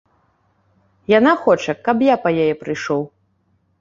Яна хоча, каб я па яе прыйшоў.